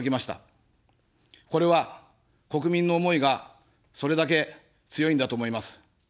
これは、国民の思いがそれだけ強いんだと思います。